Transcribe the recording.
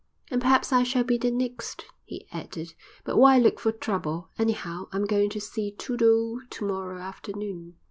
"And perhaps I shall be the next," he added, "but why look for trouble? Anyhow, I'm going to see Toodle oo to morrow afternoon."